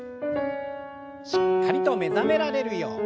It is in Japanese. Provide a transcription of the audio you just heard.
しっかりと目覚められるように。